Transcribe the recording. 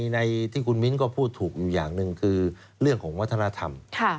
ในที่คุณมิ้นก็พูดถูกอย่างหนึ่งคือเรื่องของวัฒนธรรม